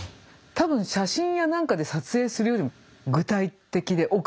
多分写真や何かで撮影するよりも具体的で奥が深いんですよ。